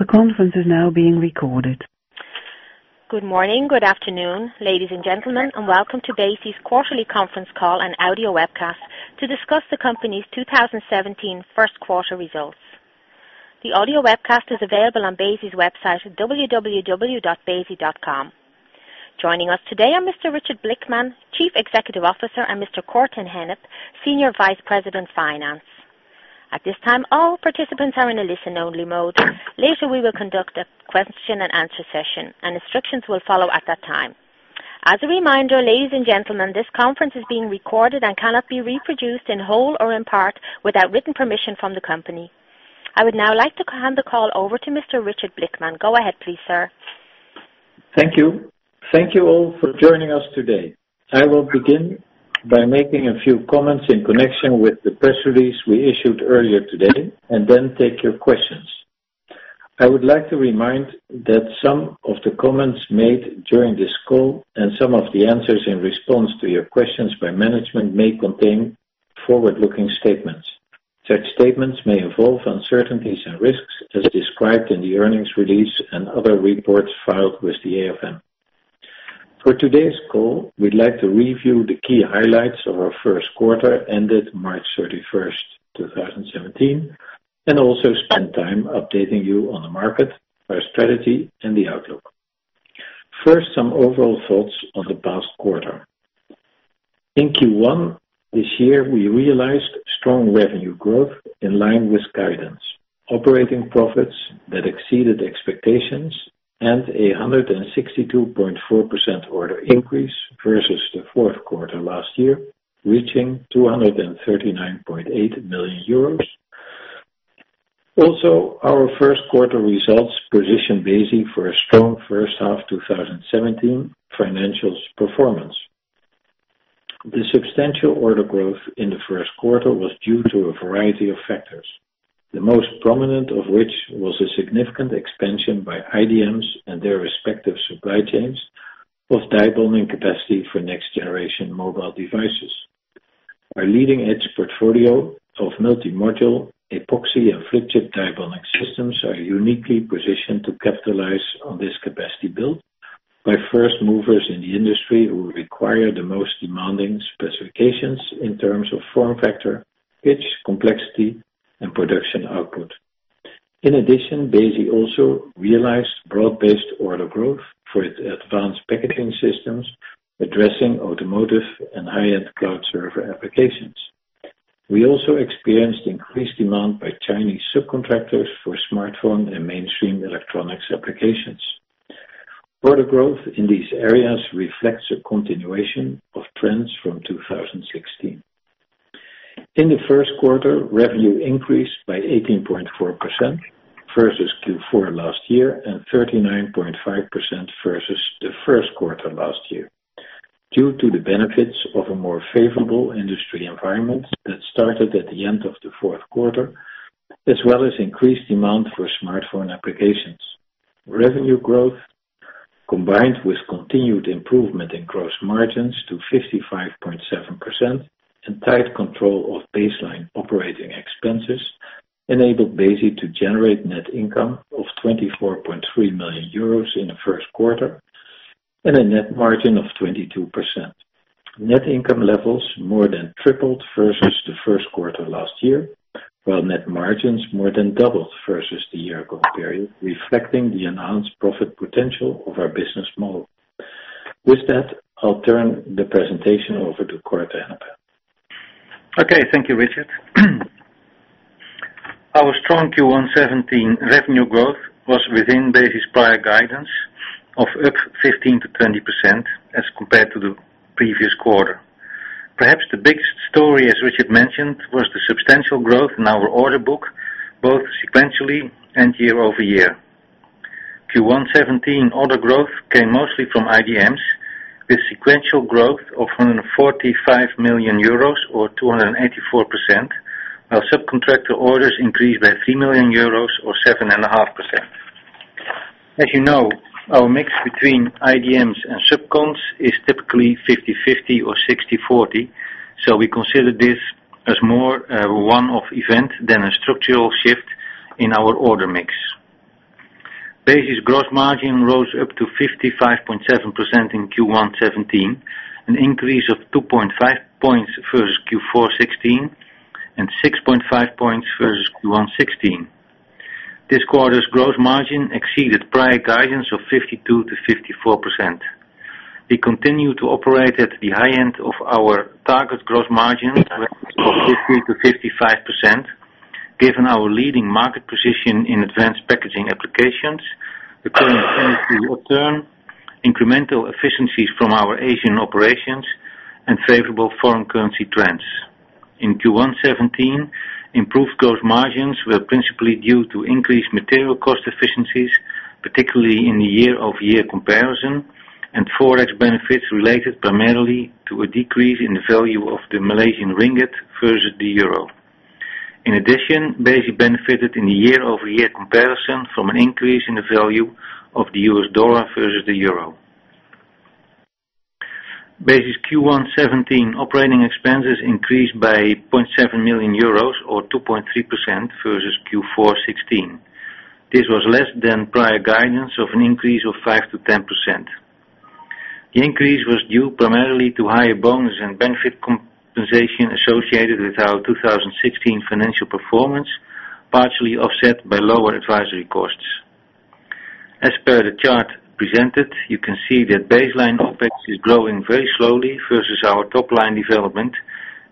The conference is now being recorded. Good morning, good afternoon, ladies and gentlemen, and welcome to Besi's quarterly conference call and audio webcast to discuss the company's 2017 first quarter results. The audio webcast is available on www.besi.com. Joining us today are Mr. Richard Blickman, Chief Executive Officer, and Mr. Cor ten Hengel, Senior Vice President of Finance. At this time, all participants are in a listen-only mode. Later, we will conduct a question and answer session, and instructions will follow at that time. As a reminder, ladies and gentlemen, this conference is being recorded and cannot be reproduced in whole or in part without written permission from the company. I would now like to hand the call over to Mr. Richard Blickman. Go ahead, please, sir. Thank you. Thank you all for joining us today. I will begin by making a few comments in connection with the press release we issued earlier today, and then take your questions. I would like to remind you that some of the comments made during this call and some of the answers in response to your questions by management may contain forward-looking statements. Such statements may involve uncertainties and risks as described in the earnings release and other reports filed with the AFM. For today's call, we'd like to review the key highlights of our first quarter ended March 31st, 2017, and also spend time updating you on the market, our strategy, and the outlook. First, some overall thoughts on the past quarter. In Q1 this year, we realized strong revenue growth in line with guidance, operating profits that exceeded expectations, and a 162.4% order increase versus the fourth quarter last year, reaching 239.8 million euros. Also, our first quarter results position Besi for a strong first half 2017 financials performance. The substantial order growth in the first quarter was due to a variety of factors, the most prominent of which was a significant expansion by IDMs and their respective supply chains of die bonding capacity for next-generation mobile devices. Our leading-edge portfolio of multi-module epoxy and flip chip die bonding systems are uniquely positioned to capitalize on this capacity build by first movers in the industry who require the most demanding specifications in terms of form factor, pitch, complexity, and production output. In addition, Besi also realized broad-based order growth for its advanced packaging systems, addressing automotive and high-end cloud server applications. We also experienced increased demand by Chinese subcontractors for smartphone and mainstream electronics applications. Order growth in these areas reflects a continuation of trends from 2016. In the first quarter, revenue increased by 18.4% versus Q4 last year and 39.5% versus the first quarter last year due to the benefits of a more favorable industry environment that started at the end of the fourth quarter, as well as increased demand for smartphone applications. Revenue growth, combined with continued improvement in gross margins to 55.7% and tight control of baseline operating expenses, enabled Besi to generate net income of 24.3 million euros in the first quarter and a net margin of 22%. Net income levels more than tripled versus the first quarter last year, while net margins more than doubled versus the year-ago period, reflecting the enhanced profit potential of our business model. With that, I'll turn the presentation over to Cor ten Hengel. Okay. Thank you, Richard. Our strong Q1 2017 revenue growth was within Besi's prior guidance of up 15%-20% as compared to the previous quarter. Perhaps the biggest story, as Richard mentioned, was the substantial growth in our order book, both sequentially and year-over-year. Q1 2017 order growth came mostly from IDMs, with sequential growth of 145 million euros or 284%, while subcontractor orders increased by 3 million euros or 7.5%. As you know, our mix between IDMs and subcons is typically 50/50 or 60/40, so we consider this as more a one-off event than a structural shift in our order mix. Besi's gross margin rose up to 55.7% in Q1 2017, an increase of 2.5 points versus Q4 2016 and 6.5 points versus Q1 2016. This quarter's gross margin exceeded prior guidance of 52%-54%. We continue to operate at the high end of our target gross margin range of 50%-55%, given our leading market position in advanced packaging applications, the current upturn, incremental efficiencies from our Asian operations, and favorable foreign currency trends. In Q1 2017, improved gross margins were principally due to increased material cost efficiencies, particularly in the year-over-year comparison, and forex benefits related primarily to a decrease in the value of the Malaysian ringgit versus the euro. In addition, Besi benefited in the year-over-year comparison from an increase in the value of the US dollar versus the euro. Besi's Q1 2017 operating expenses increased by 0.7 million euros or 2.3% versus Q4 2016. This was less than prior guidance of an increase of 5%-10%. The increase was due primarily to higher bonus and benefit compensation associated with our 2016 financial performance, partially offset by lower advisory costs. As per the chart presented, you can see that baseline OpEx is growing very slowly versus our top-line development,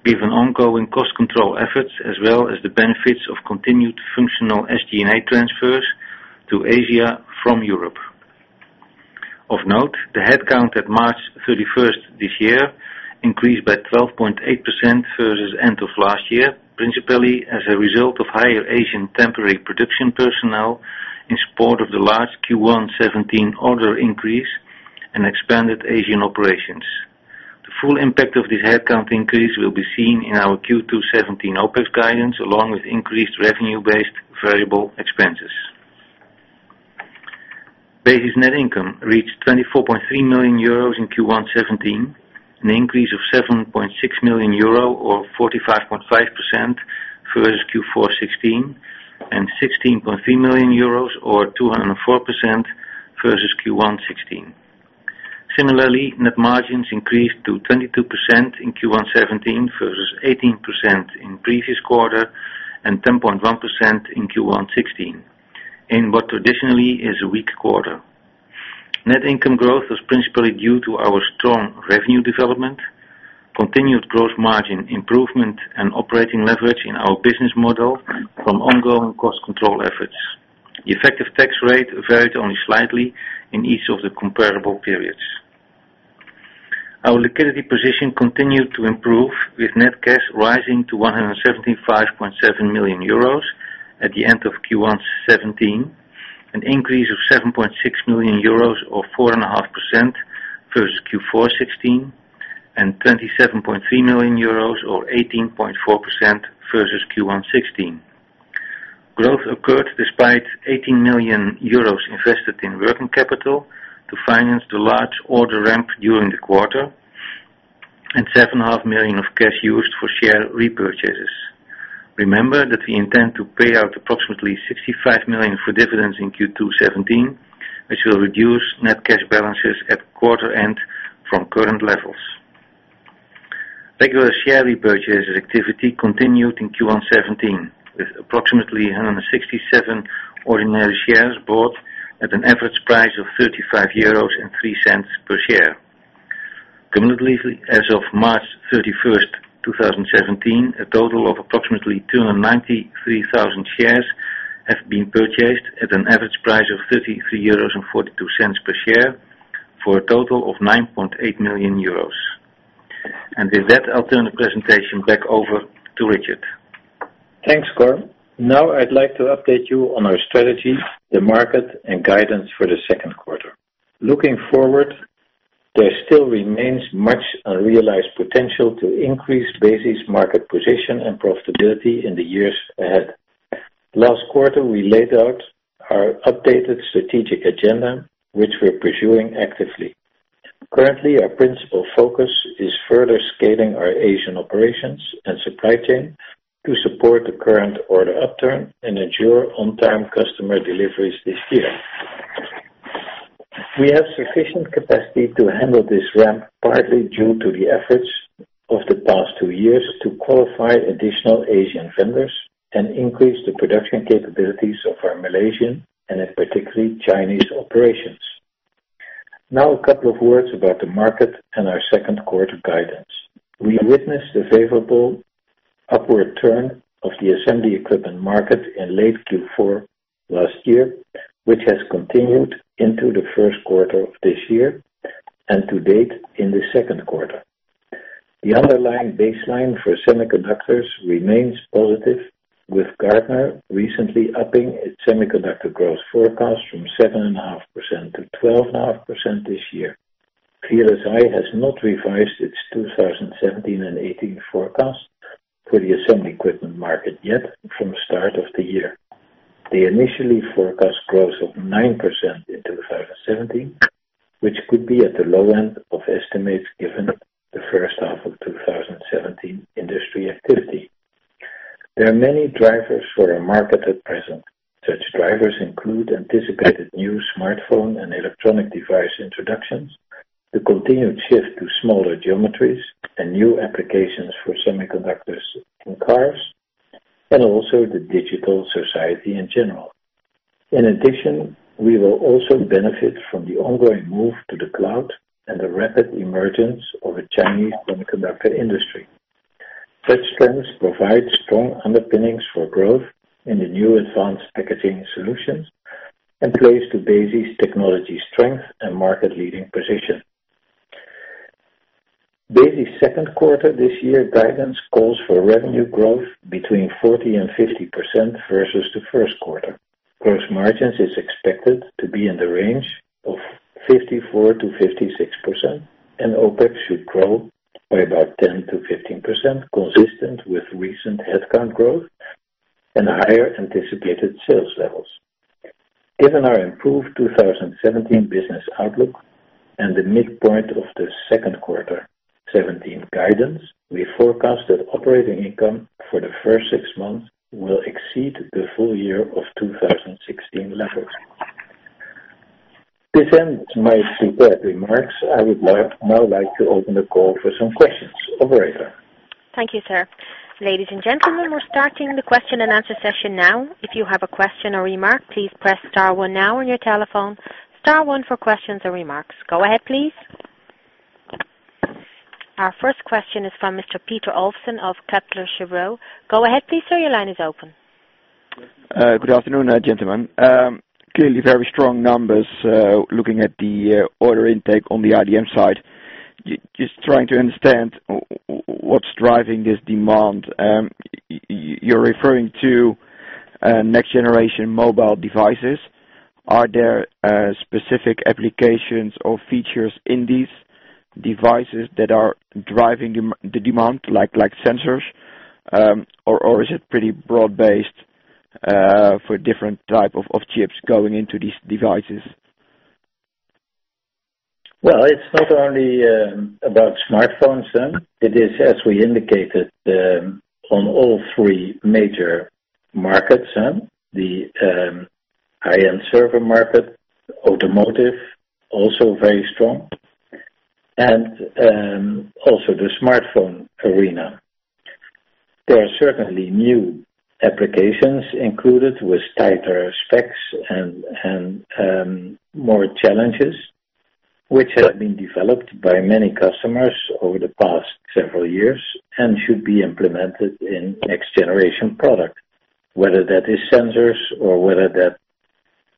given ongoing cost control efforts as well as the benefits of continued functional SG&A transfers to Asia from Europe. Of note, the headcount at March 31st this year increased by 12.8% versus end of last year, principally as a result of higher Asian temporary production personnel in support of the large Q1 2017 order increase and expanded Asian operations. The full impact of this headcount increase will be seen in our Q2 2017 OpEx guidance, along with increased revenue-based variable expenses. Besi's net income reached 24.3 million euros in Q1 2017, an increase of 7.6 million euro or 45.5% versus Q4 2016, and 16.3 million euros or 204% versus Q1 2016. Similarly, net margins increased to 22% in Q1 2017 versus 18% in previous quarter and 10.1% in Q1 2016, in what traditionally is a weak quarter. Net income growth was principally due to our strong revenue development, continued gross margin improvement, and operating leverage in our business model from ongoing cost control efforts. The effective tax rate varied only slightly in each of the comparable periods. Our liquidity position continued to improve, with net cash rising to 175.7 million euros at the end of Q1 2017, an increase of 7.6 million euros or 4.5% versus Q4 2016, and 27.3 million euros or 18.4% versus Q1 2016. Growth occurred despite 18 million euros invested in working capital to finance the large order ramp during the quarter and 7.5 million of cash used for share repurchases. Remember that we intend to pay out approximately 65 million for dividends in Q2 2017, which will reduce net cash balances at quarter end from current levels. Regular share repurchase activity continued in Q1 2017, with approximately 167 ordinary shares bought at an average price of 35.03 euros per share. Cumulatively, as of March 31st, 2017, a total of approximately 293,000 shares have been purchased at an average price of 33.42 euros per share for a total of 9.8 million euros. With that, I'll turn the presentation back over to Richard. Thanks, Cor. I'd like to update you on our strategy, the market, and guidance for the second quarter. Looking forward, there still remains much unrealized potential to increase Besi's market position and profitability in the years ahead. Last quarter, we laid out our updated strategic agenda, which we're pursuing actively. Currently, our principal focus is further scaling our Asian operations and supply chain to support the current order upturn and ensure on-time customer deliveries this year. We have sufficient capacity to handle this ramp, partly due to the efforts of the past two years to qualify additional Asian vendors and increase the production capabilities of our Malaysian and, in particular, Chinese operations. A couple of words about the market and our second quarter guidance. We witnessed the favorable upturn of the assembly equipment market in late Q4 last year, which has continued into the first quarter of this year and to date in the second quarter. The underlying baseline for semiconductors remains positive, with Gartner recently upping its semiconductor growth forecast from 7.5% to 12.5% this year. VLSI has not revised its 2017 and 2018 forecast for the assembly equipment market yet from the start of the year. They initially forecast growth of 9% in 2017, which could be at the low end of estimates given the first half of 2017 industry activity. There are many drivers for our market at present. Such drivers include anticipated new smartphone and electronic device introductions, the continued shift to smaller geometries and new applications for semiconductors in cars, and also the digital society in general. In addition, we will also benefit from the ongoing move to the cloud and the rapid emergence of a Chinese semiconductor industry. Such trends provide strong underpinnings for growth in the new advanced packaging solutions and plays to Besi's technology strength and market-leading position. Besi's second quarter this year guidance calls for revenue growth between 40% and 50% versus the first quarter. Gross margins is expected to be in the range of 54% to 56%, and OpEx should grow by about 10% to 15%, consistent with recent headcount growth and higher anticipated sales levels. Given our improved 2017 business outlook and the midpoint of the second quarter 2017 guidance, we forecast that operating income for the first six months will exceed the full year of 2016 levels. This ends my prepared remarks. I would now like to open the call for some questions. Operator? Thank you, sir. Ladies and gentlemen, we're starting the question and answer session now. If you have a question or remark, please press star one now on your telephone. Star one for questions or remarks. Go ahead, please. Our first question is from Mr. Peter Olsson of Kepler Cheuvreux. Go ahead please, sir. Your line is open. Good afternoon, gentlemen. Clearly very strong numbers, looking at the order intake on the IDM side. Just trying to understand what's driving this demand. You're referring to next-generation mobile devices. Are there specific applications or features in these devices that are driving the demand, like sensors? Or is it pretty broad-based for different type of chips going into these devices? Well, it's not only about smartphones. It is, as we indicated, on all three major markets. The high-end server market, automotive, also very strong. Also the smartphone arena. There are certainly new applications included with tighter specs and more challenges, which have been developed by many customers over the past several years and should be implemented in next-generation product. Whether that is sensors or whether that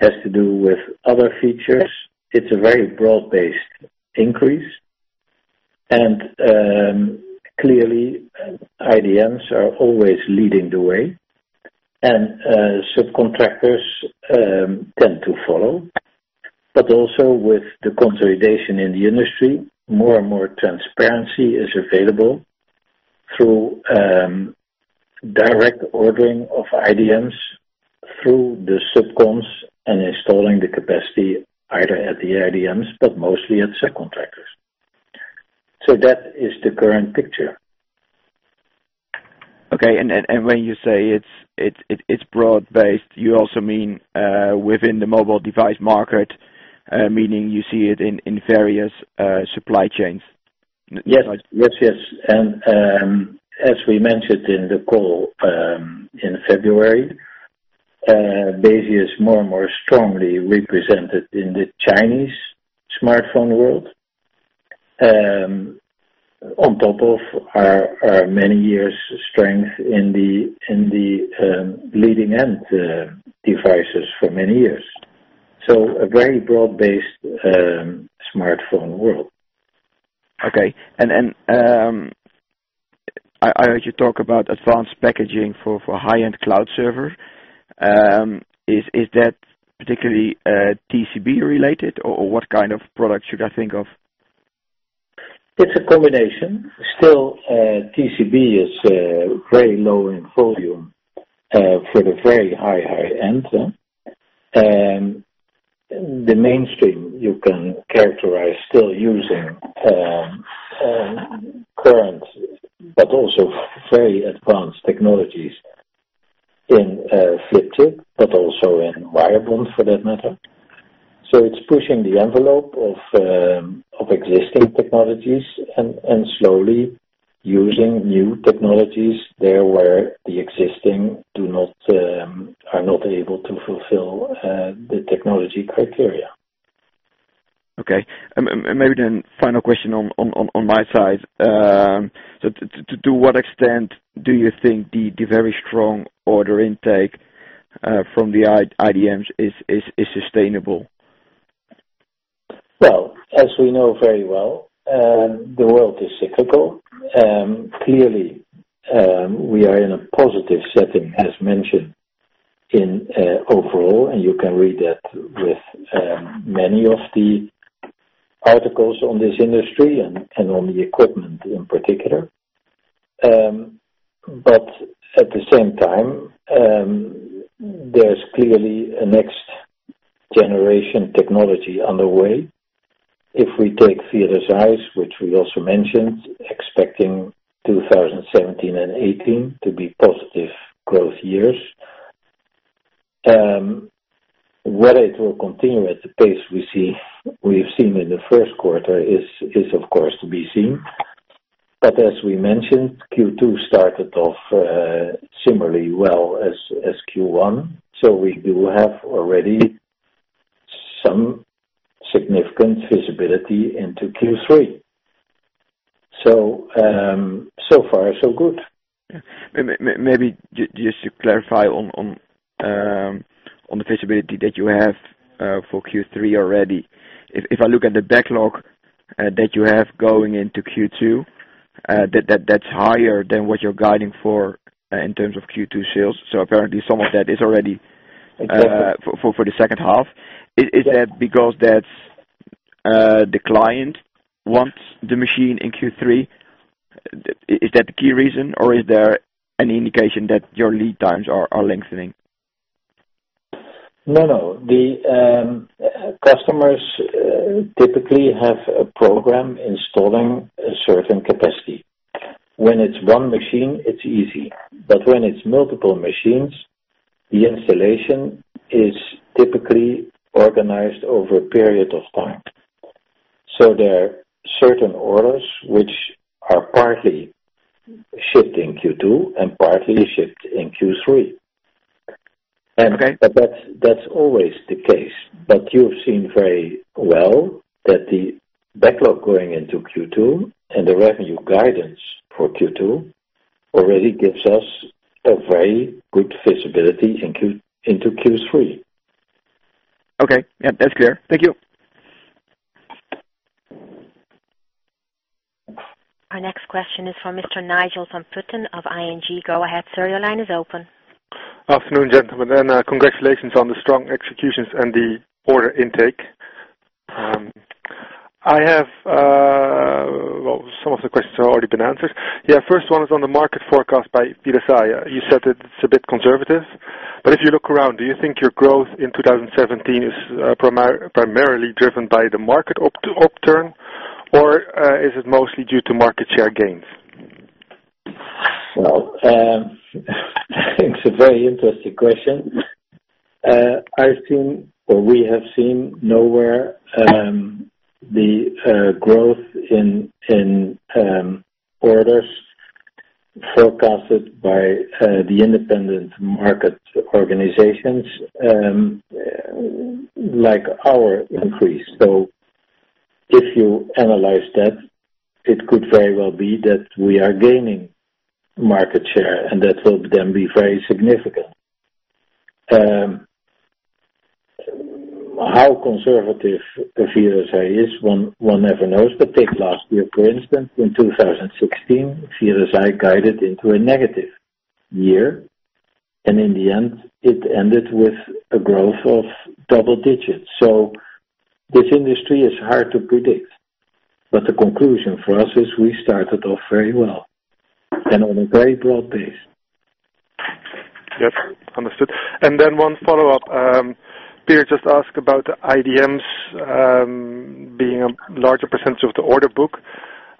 has to do with other features, it's a very broad-based increase, and clearly, IDMs are always leading the way, and subcontractors tend to follow. Also with the consolidation in the industry, more and more transparency is available through direct ordering of IDMs through the subcons and installing the capacity either at the IDMs, but mostly at subcontractors. That is the current picture. Okay. When you say it's broad based, you also mean, within the mobile device market, meaning you see it in various supply chains? Yes. As we mentioned in the call, in February, Besi is more and more strongly represented in the Chinese smartphone world, on top of our many years' strength in the leading-end devices for many years. A very broad-based smartphone world. Okay. I heard you talk about advanced packaging for high-end cloud server. Is that particularly TCB related, or what kind of product should I think of? It's a combination. Still, TCB is very low in volume, for the very high end. The mainstream you can characterize still using current but also very advanced technologies in flip chip, but also in wire bonding for that matter. It's pushing the envelope of existing technologies and slowly using new technologies there where the existing are not able to fulfill the technology criteria. Okay. Maybe final question on my side. To what extent do you think the very strong order intake from the IDMs is sustainable? Well, as we know very well, the world is cyclical. Clearly, we are in a positive setting, as mentioned in overall, and you can read that with many of the articles on this industry and on the equipment in particular. At the same time, there's clearly a next-generation technology on the way. If we take Theosys, which we also mentioned, expecting 2017 and 2018 to be positive growth years. Whether it will continue at the pace we've seen in the first quarter is of course to be seen. As we mentioned, Q2 started off similarly well as Q1, we do have already some significant visibility into Q3. So far so good. Maybe just to clarify on the visibility that you have for Q3 already. If I look at the backlog that you have going into Q2, that's higher than what you're guiding for in terms of Q2 sales. Apparently, some of that is. Exactly for the second half. Is that because the client wants the machine in Q3? Is that the key reason, or is there any indication that your lead times are lengthening? No. The customers typically have a program installing a certain capacity. When it's one machine, it's easy. When it's multiple machines, the installation is typically organized over a period of time. There are certain orders which are partly shipped in Q2 and partly shipped in Q3. Okay. That's always the case, you've seen very well that the backlog going into Q2 and the revenue guidance for Q2 already gives us a very good visibility into Q3. Okay. Yeah, that's clear. Thank you. Our next question is from Mr. Nigel van Putten of ING. Go ahead, sir, your line is open. Afternoon, gentlemen. Congratulations on the strong executions and the order intake. Some of the questions have already been answered. First one is on the market forecast by VLSI. You said it's a bit conservative, but if you look around, do you think your growth in 2017 is primarily driven by the market upturn, or is it mostly due to market share gains? Well, I think it's a very interesting question. We have seen nowhere the growth in orders forecasted by the independent market organizations, like our increase. If you analyze that, it could very well be that we are gaining market share, and that will then be very significant. How conservative VLSI is, one never knows. Take last year, for instance. In 2016, VLSI guided into a negative year, and in the end it ended with a growth of double digits. This industry is hard to predict, but the conclusion for us is we started off very well and on a very broad base. Yep. Understood. Then one follow-up. Peter just asked about the IDMs being a larger percentage of the order book.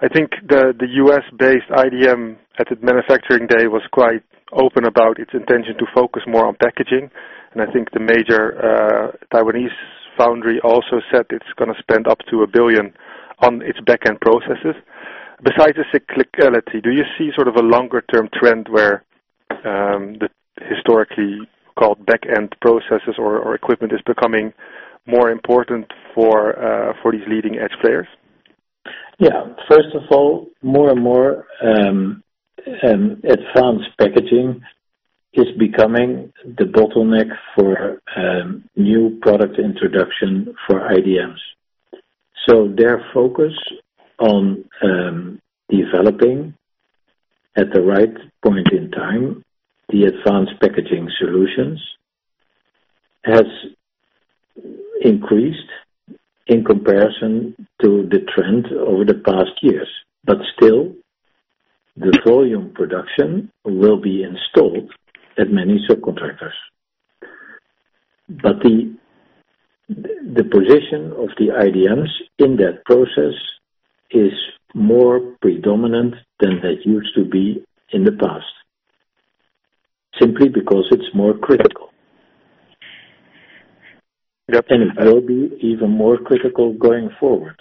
I think the U.S.-based IDM at the manufacturing day was quite open about its intention to focus more on packaging, and I think the major Taiwanese foundry also said it's going to spend up to 1 billion on its back-end processes. Besides the cyclicality, do you see sort of a longer-term trend where the historically called back-end processes or equipment is becoming more important for these leading-edge players? Yeah. First of all, more and more advanced packaging is becoming the bottleneck for new product introduction for IDMs. Their focus on developing at the right point in time, the advanced packaging solutions, has increased in comparison to the trend over the past years. Still, the volume production will be installed at many subcontractors. The position of the IDMs in that process is more predominant than that used to be in the past, simply because it's more critical. Yep. It will be even more critical going forward.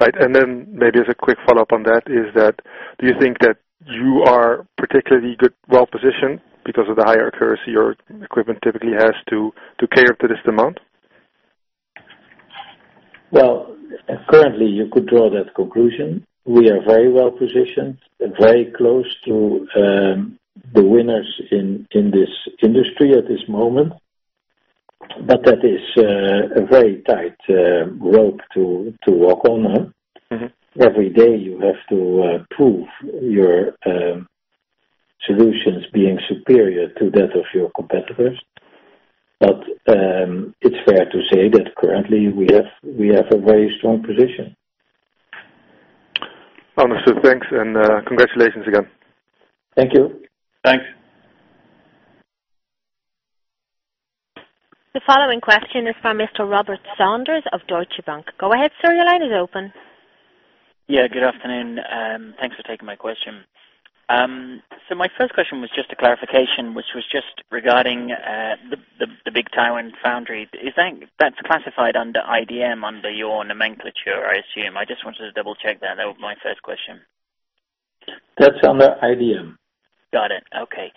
Right. Maybe as a quick follow-up on that is that do you think that you are particularly well-positioned because of the higher accuracy your equipment typically has to cater to this demand? Well, currently you could draw that conclusion. We are very well-positioned, very close to the winners in this industry at this moment. That is a very tight rope to walk on. Every day you have to prove your solutions being superior to that of your competitors. It's fair to say that currently we have a very strong position. Understood. Thanks, congratulations again. Thank you. Thanks. The following question is from Mr. Robert Sanders of Deutsche Bank. Go ahead, sir. Your line is open. good afternoon, and thanks for taking my question. My first question was just a clarification, which was just regarding the big Taiwan foundry. You think that's classified under IDM, under your nomenclature, I assume. I just wanted to double-check. That was my first question. That's under IDM. Got it. Okay.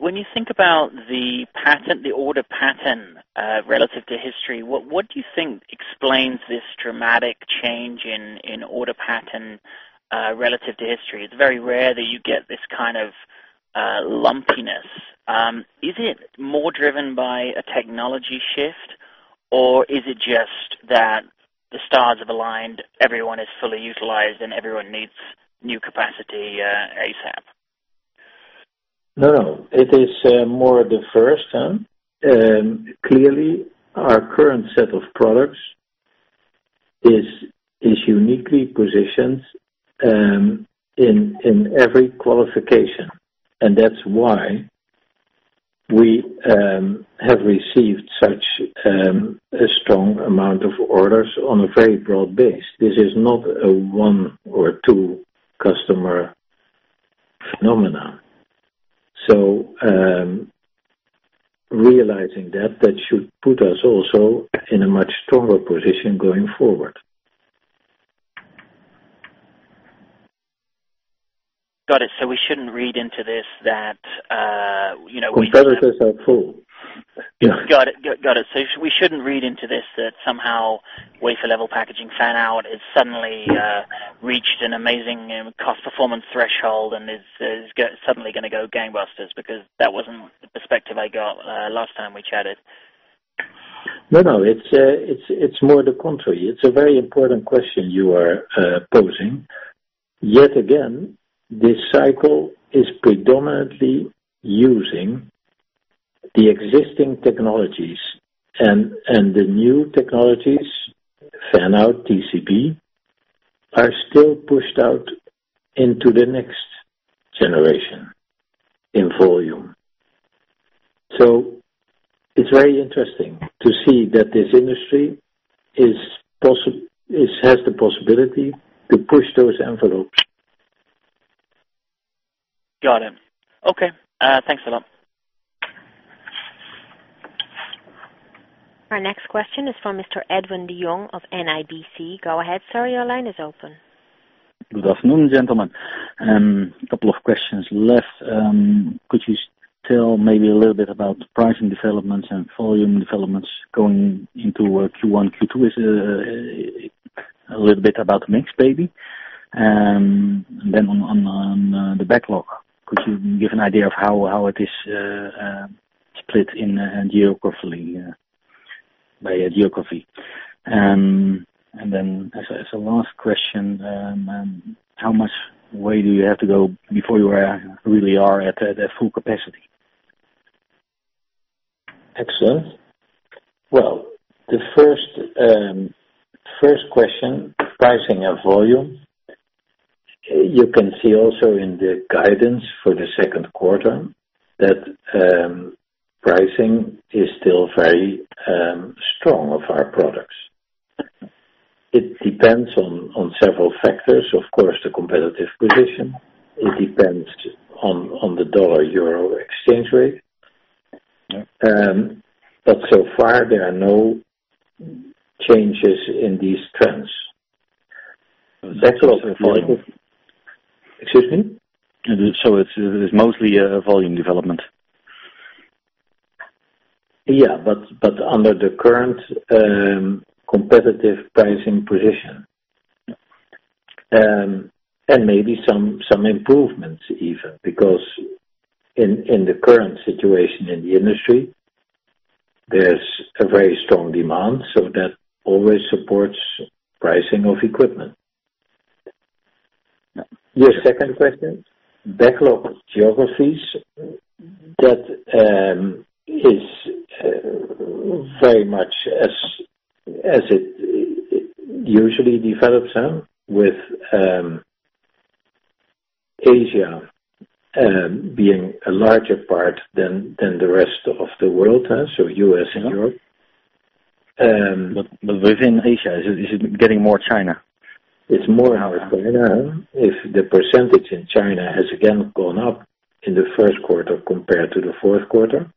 When you think about the order pattern relative to history, what do you think explains this dramatic change in order pattern relative to history? It's very rare that you get this kind of lumpiness. Is it more driven by a technology shift, or is it just that the stars have aligned, everyone is fully utilized, and everyone needs new capacity ASAP? No, it is more the first time. Clearly, our current set of products is uniquely positioned in every qualification, and that's why we have received such a strong amount of orders on a very broad base. This is not a one or two-customer phenomenon. Realizing that should put us also in a much stronger position going forward. Got it. We shouldn't read into this that. Competitors are cool. Got it. We shouldn't read into this that somehow wafer-level packaging fan-out has suddenly reached an amazing cost performance threshold and is suddenly going to go gangbusters, because that wasn't the perspective I got last time we chatted. No, it's more the contrary. It's a very important question you are posing. Yet again, this cycle is predominantly using the existing technologies, and the new technologies, fan-out, TCB, are still pushed out into the next generation in volume. It's very interesting to see that this industry has the possibility to push those envelopes. Got it. Okay. Thanks a lot. Our next question is from Mr. Edwin de Jong of NIBC. Go ahead, sir. Your line is open. Good afternoon, gentlemen. A couple of questions left. Could you tell maybe a little bit about pricing developments and volume developments going into Q1, Q2? A little bit about the mix, maybe. On the backlog, could you give an idea of how it is split by geography? As a last question, how much way do you have to go before you really are at full capacity? Excellent. Well, the first question, pricing and volume. You can see also in the guidance for the second quarter that pricing is still very strong of our products. It depends on several factors, of course, the competitive position. It depends on the Dollar-Euro exchange rate. So far, there are no changes in these trends. It's mostly a volume development. Yeah, under the current competitive pricing position. Maybe some improvements even, because in the current situation in the industry, there's a very strong demand, that always supports pricing of equipment. Your second question, backlog geographies. That is very much as it usually develops, with Asia being a larger part than the rest of the world, U.S. and Europe. Within Asia, is it getting more China? It's more now China. If the percentage in China has again gone up in the first quarter compared to the fourth quarter,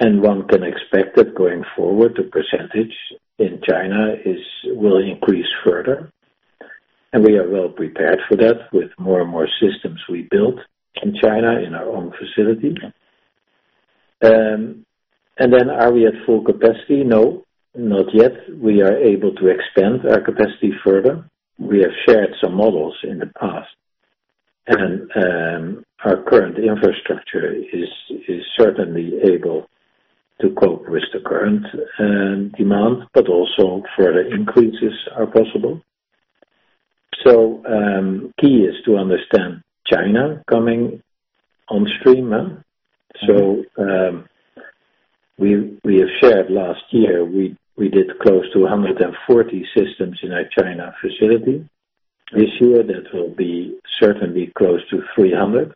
one can expect that going forward, the percentage in China will increase further, we are well-prepared for that with more and more systems we built in China in our own facility. Are we at full capacity? No, not yet. We are able to expand our capacity further. We have shared some models in the past, our current infrastructure is certainly able to cope with the current demand, also further increases are possible. Key is to understand China coming on stream. We have shared last year, we did close to 140 systems in our China facility. This year, that will be certainly close to 300.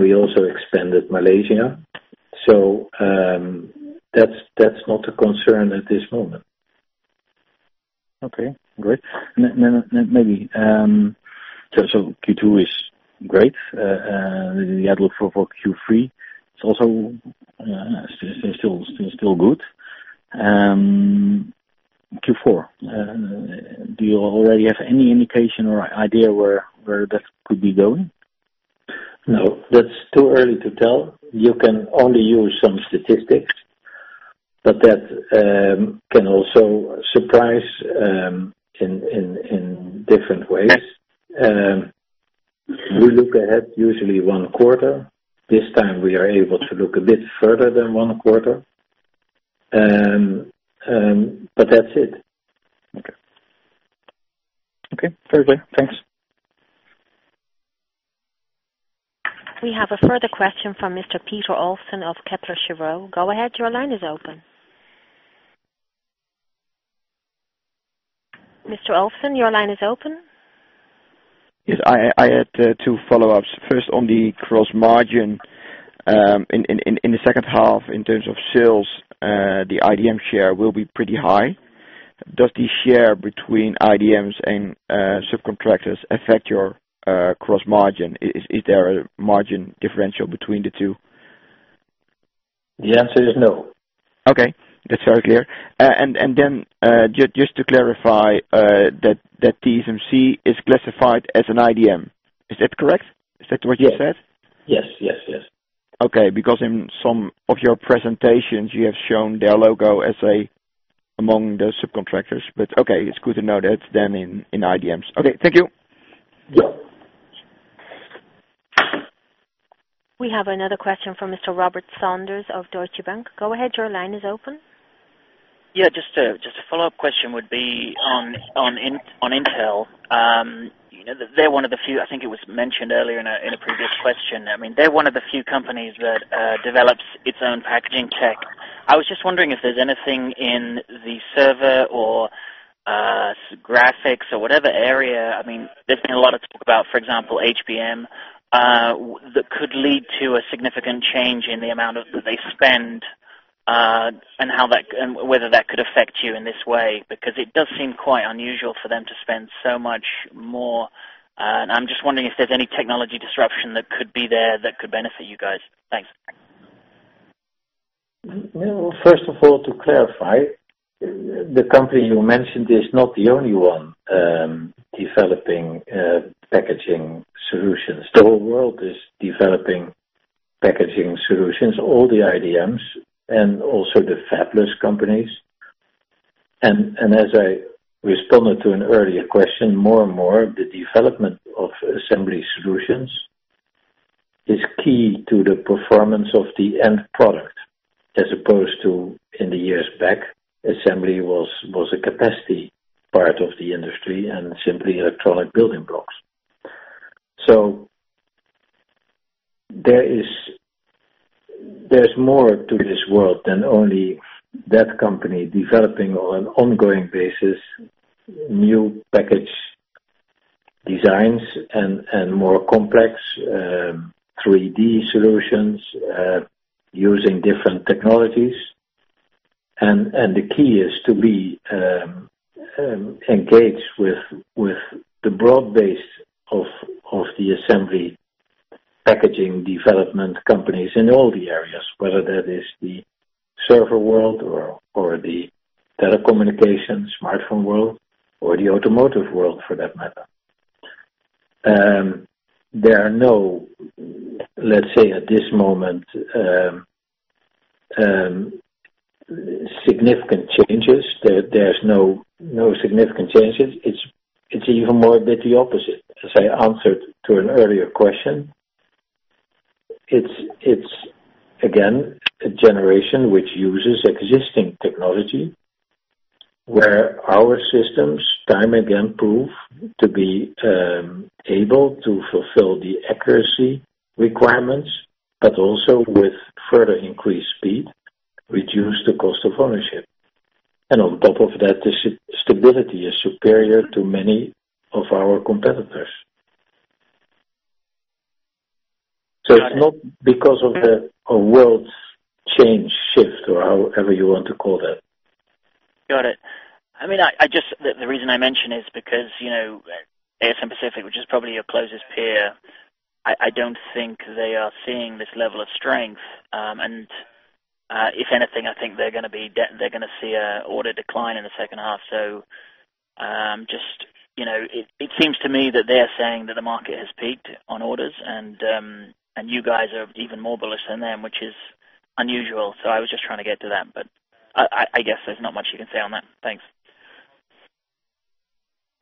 We also expanded Malaysia. That's not a concern at this moment. Okay, great. Q2 is great. The outlook for Q3, it's also still good. Q4, do you already have any indication or idea where that could be going? No, that's too early to tell. You can only use some statistics, but that can also surprise in different ways. We look ahead usually one quarter. This time, we are able to look a bit further than one quarter, but that's it. Okay, fair play. Thanks. We have a further question from Mr. Peter Olsson of Kepler Cheuvreux. Go ahead, your line is open. Mr. Olsson, your line is open. Yes, I had two follow-ups. First, on the gross margin. In the second half, in terms of sales, the IDM share will be pretty high. Does the share between IDMs and subcontractors affect your gross margin? Is there a margin differential between the two? The answer is no. Okay. That's very clear. Just to clarify that TSMC is classified as an IDM. Is that correct? Is that what you said? Yes. Okay, because in some of your presentations, you have shown their logo as among the subcontractors. Okay, it's good to know that's then in IDMs. Okay, thank you. Yeah. We have another question from Mr. Robert Sanders of Deutsche Bank. Go ahead, your line is open. Yeah, just a follow-up question would be on Intel. I think it was mentioned earlier in a previous question. They're one of the few companies that develops its own packaging tech. I was just wondering if there's anything in the server or graphics or whatever area, there's been a lot of talk about, for example, HBM, that could lead to a significant change in the amount that they spend, and whether that could affect you in this way, because it does seem quite unusual for them to spend so much more. I'm just wondering if there's any technology disruption that could be there that could benefit you guys. Thanks. Well, first of all, to clarify, the company you mentioned is not the only one developing packaging solutions. The whole world is developing packaging solutions, all the IDMs and also the fabless companies. As I responded to an earlier question, more and more, the development of assembly solutions is key to the performance of the end product, as opposed to in the years back, assembly was a capacity part of the industry and simply electronic building blocks. There's more to this world than only that company developing on an ongoing basis, new package designs and more complex 3D solutions using different technologies. The key is to be engaged with the broad base of the assembly packaging development companies in all the areas, whether that is the server world or the telecommunications smartphone world, or the automotive world for that matter. There are no, let's say, at this moment, significant changes. There's no significant changes. It's even more a bit the opposite, as I answered to an earlier question. It's, again, a generation which uses existing technology, where our systems time again prove to be able to fulfill the accuracy requirements, but also with further increased speed, reduce the cost of ownership. On top of that, the stability is superior to many of our competitors. It's not because of the world's change, shift, or however you want to call that. Got it. The reason I mention is because, ASM Pacific, which is probably your closest peer, I don't think they are seeing this level of strength. If anything, I think they're going to see an order decline in the second half. It seems to me that they're saying that the market has peaked on orders, and you guys are even more bullish than them, which is unusual. I was just trying to get to that, but I guess there's not much you can say on that. Thanks.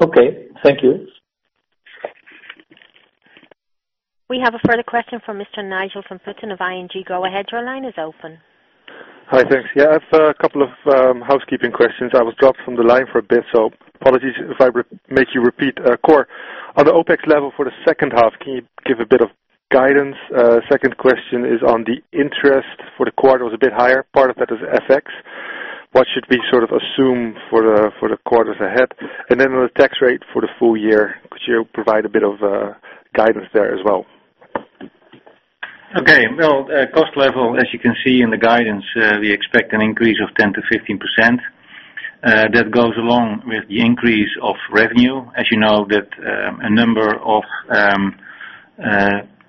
Okay. Thank you. We have a further question from Mr. Nigel van Putten of ING. Go ahead, your line is open. Hi. Thanks. I've a couple of housekeeping questions. I was dropped from the line for a bit, so apologies if I make you repeat. Cor, on the OpEx level for the second half, can you give a bit of guidance? Second question is on the interest for the quarter was a bit higher. Part of that is FX. What should we assume for the quarters ahead? On the tax rate for the full year, could you provide a bit of guidance there as well? Okay. Well, cost level, as you can see in the guidance, we expect an increase of 10% to 15%. That goes along with the increase of revenue. As you know that a number of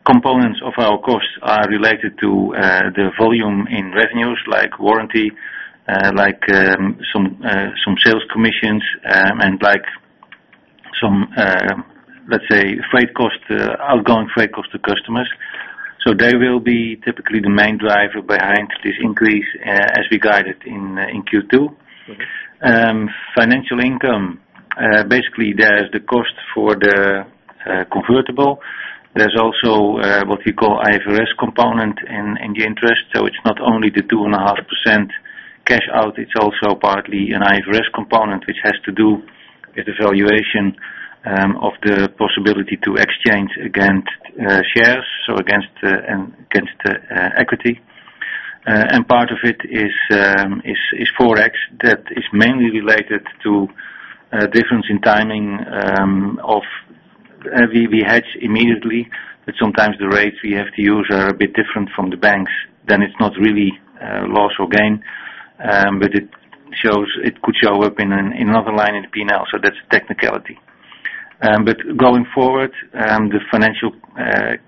components of our costs are related to the volume in revenues like warranty, like some sales commissions, and like some, let's say, outgoing freight cost to customers. They will be typically the main driver behind this increase as we guided in Q2. Okay. Financial income. Basically, there is the cost for the convertible. There's also what we call IFRS component in the interest. It's not only the 2.5% Cash out is also partly an IFRS component, which has to do with the valuation of the possibility to exchange against shares, against equity. Part of it is Forex that is mainly related to a difference in timing. We hedge immediately, but sometimes the rates we have to use are a bit different from the banks, then it's not really a loss or gain, but it could show up in another line in the P&L. That's a technicality. Going forward, the financial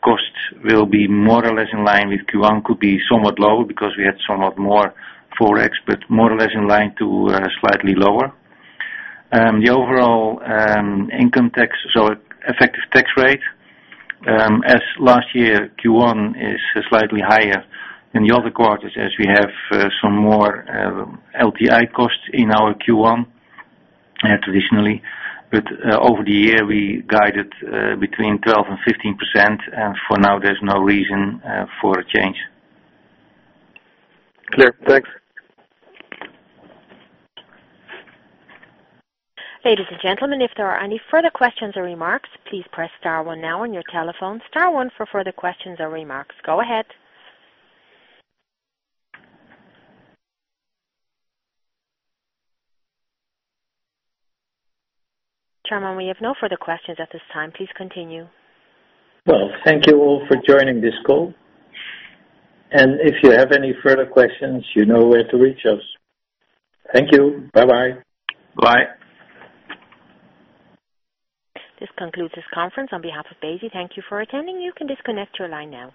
costs will be more or less in line with Q1. Could be somewhat lower because we had somewhat more Forex, but more or less in line to slightly lower. The overall income tax, effective tax rate, as last year, Q1 is slightly higher than the other quarters as we have some more LTI costs in our Q1 traditionally. Over the year, we guided between 12% and 15%, and for now, there's no reason for a change. Clear. Thanks. Ladies and gentlemen, if there are any further questions or remarks, please press star one now on your telephone. Star one for further questions or remarks. Go ahead. Chairman, we have no further questions at this time. Please continue. Well, thank you all for joining this call, and if you have any further questions, you know where to reach us. Thank you. Bye bye. Bye. This concludes this conference. On behalf of Besi, thank you for attending. You can disconnect your line now.